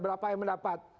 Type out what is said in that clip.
berapa yang mendapat